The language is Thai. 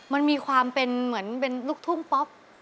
มันมีความเป็นเหมือนเป็นลูกทุ่งป๊อป